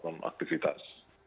mereka melakukan aktivitas